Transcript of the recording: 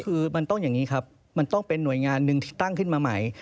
คือมันต้องอย่างนี้ครับมันต้องเป็นหน่วยงานหนึ่งที่ตั้งขึ้นมาใหม่